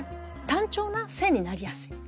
単調な線になりやすい。